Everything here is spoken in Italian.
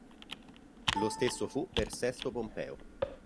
Lo stesso fu per Sesto Pompeo.